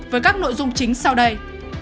với các nội dung chính sau đây